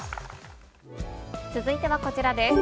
続いてはこちらです。